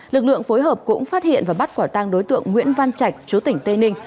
lực lượng phối hợp cũng phát hiện và bắt quả tăng đối tượng nguyễn văn trạch chúa tỉnh tây ninh